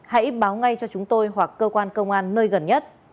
hãy báo ngay cho chúng tôi hoặc cơ quan công an nơi gần nhất